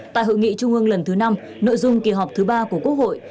tại hội nghị trung ương lần thứ năm nội dung kỳ họp thứ ba của quốc hội